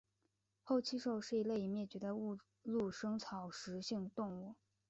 厚膝兽是一类已灭绝的陆生草食性动物。